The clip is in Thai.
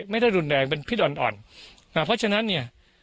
ไม่ได้รุนแรงเป็นพิษอ่อนอ่อนนะเพราะฉะนั้นเนี่ย